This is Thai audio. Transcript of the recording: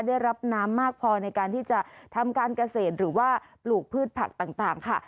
ได้รับน้ำมากพอในการที่จะทำการเกษตรหรือว่าปลูกพืชผักต่างค่ะ